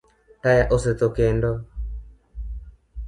Taya osetho kendo?